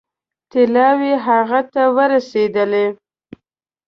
طلاوې هغه ته ورسېدلې.